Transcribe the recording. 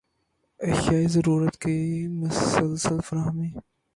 اشیائے ضرورت کی مسلسل فراہمی